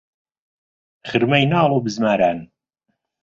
خرمەی ناڵ و بزماران